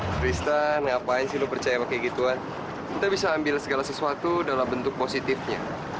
kristen ngapain sih lo percaya kayak gituan kita bisa ambil segala sesuatu dalam bentuk positifnya